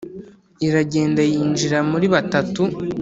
iragenda yinjira muri batatu.